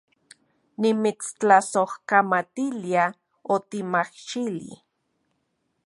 Nimitstlasojkamatilia otimajxili